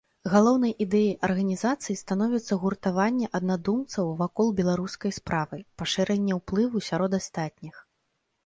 Галоўнай ідэяй арганізацыі становіцца гуртаванне аднадумцаў вакол беларускай справы, пашырэнне ўплыву сярод астатніх.